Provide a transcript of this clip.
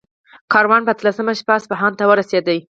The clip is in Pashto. کاروان په اتلسمه شپه اصفهان ته ورسېد.